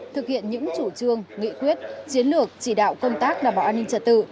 thực hiện những chủ trương nghị quyết chiến lược chỉ đạo công tác đảm bảo an ninh trật tự